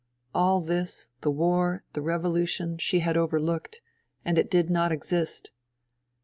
All this — the war, the revolution — she had overlooked : and it did not exist.